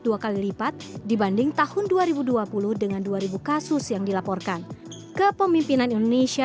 dua kali lipat dibanding tahun dua ribu dua puluh dengan dua ribu kasus yang dilaporkan kepemimpinan indonesia